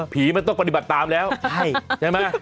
มันต้องปฏิบัติตามแล้วใช่ไหม